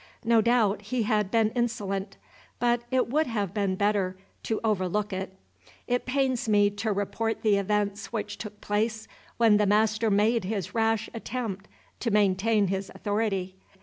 No doubt he had been insolent, but it would have been better to overlook it. It pains me to report the events which took place when the master made his rash attempt to maintain his authority.